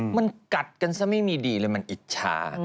มันกัดกันซะไม่มีดีเลยมันอิจฉา